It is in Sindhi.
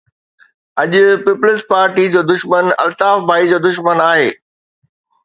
اڄ پيپلز پارٽي جو دشمن الطاف ڀائي جو دشمن آهي